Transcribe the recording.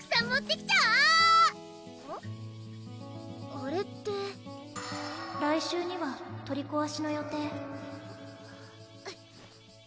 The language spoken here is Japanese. あれって来週には取りこわしの予定